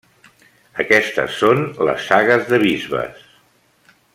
Aquestes són les sagues de bisbes.